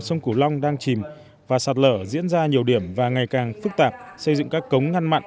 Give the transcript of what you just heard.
sông cửu long đang chìm và sạt lở diễn ra nhiều điểm và ngày càng phức tạp xây dựng các cống ngăn mặn